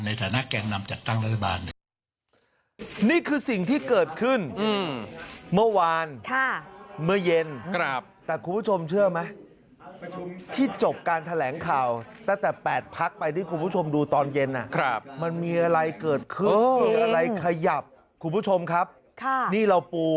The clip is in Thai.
ในฐานะแก่นำจัดตั้งรัฐบาล